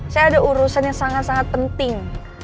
saya ada urusan yang sangat sangat penting